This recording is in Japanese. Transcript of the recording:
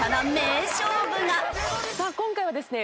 さあ今回はですね